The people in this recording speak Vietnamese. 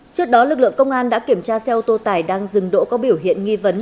trước đó lực lượng công an đã kiểm tra xe ô tô tải đang dừng đỗ có biểu hiện nghi vấn